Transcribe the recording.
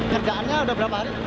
kerjaannya sudah berapa hari